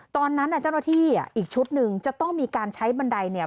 ตอนนั้นน่ะเจ้าหน้าที่อีกชุดหนึ่งจะต้องมีการใช้บันไดเนี่ย